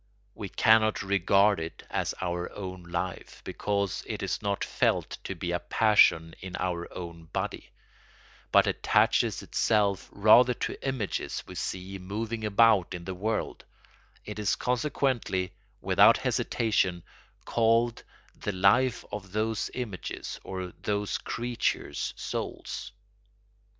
We cannot regard it as our own life, because it is not felt to be a passion in our own body, but attaches itself rather to images we see moving about in the world; it is consequently, without hesitation, called the life of those images, or those creatures' souls.